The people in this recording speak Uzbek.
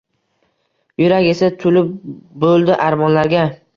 Yurak esa tulib buldi armonlarga